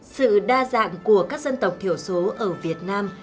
sự đa dạng của các dân tộc thiểu số ở việt nam